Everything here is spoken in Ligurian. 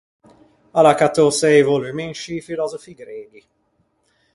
A l’à cattou sëi volummi in scî filòsofi greghi.